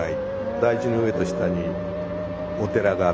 台地の上と下にお寺があって。